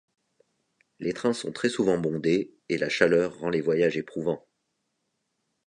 Les trains sont très souvent bondés, et la chaleur rend les voyages éprouvants.